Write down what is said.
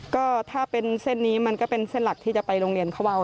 ก็ถ้าเป็นเส้นนี้มันก็เป็นเส้นหลักที่จะไปโรงเรียนเขาเอา